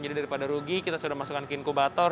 jadi daripada rugi kita sudah masukkan ke inkubator